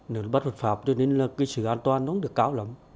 nó bắt luật phạm cho nên là cái sự an toàn nó không được cao lắm